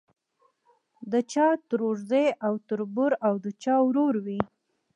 د چا ترورزی او تربور او د چا ورور وي.